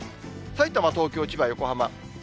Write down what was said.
さいたま、東京、千葉、横浜。